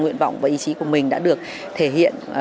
nguyện vọng và ý chí của mình đã được thể hiện